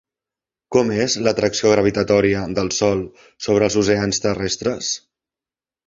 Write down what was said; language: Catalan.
Com és l'atracció gravitatòria del Sol sobre els oceans terrestres?